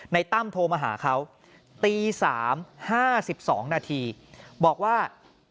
ตั้มโทรมาหาเขาตี๓๕๒นาทีบอกว่า